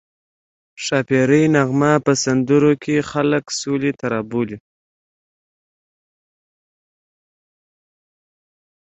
ښاپیرۍ نغمه په سندرو کې خلک سولې ته رابولي